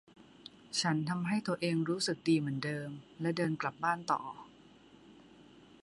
ฉันทำให้ตัวเองรู้สึกดีเหมือนเดิมและเดินกลับบ้านต่อ